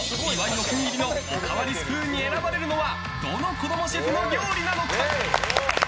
お気に入りのおかわりスプーンに選ばれるのはどの子供シェフの料理なのか？